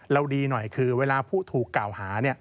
ดีหน่อยคือเวลาผู้ถูกกล่าวหา